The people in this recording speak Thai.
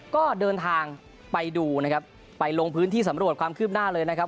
ก็เดินทางไปดูนะครับไปลงพื้นที่สำรวจความคืบหน้าเลยนะครับ